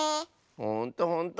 ほんとほんと！